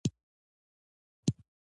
د خپل ځان څخه اخلي دا حقیقت دی.